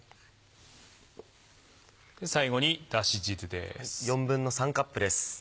最後にだし汁です。